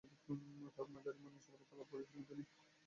তবে, মাঝারিমানের সফলতা লাভ করেছিলেন তিনি।